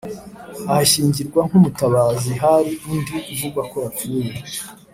ahashyingirwa nk umutabazi Hari undi uvugwa ko yapfuye